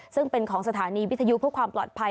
ซึ่งเป็นของสถานีวิทยุเพื่อความปลอดภัย